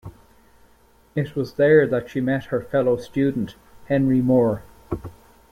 It was there that she met her fellow student, Henry Moore.